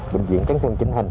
bệnh viện cánh thương chính hình